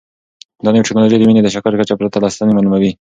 دا نوې ټیکنالوژي د وینې د شکر کچه پرته له ستنې معلوموي.